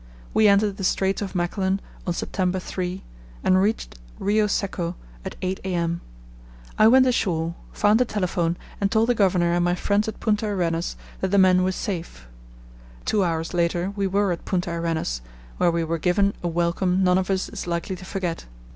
We entered the Straits of Magellan on September 3 and reached Rio Secco at 8 a.m. I went ashore, found a telephone, and told the Governor and my friends at Punta Arenas that the men were safe. Two hours later we were at Punta Arenas, where we were given a welcome none of us is likely to forget.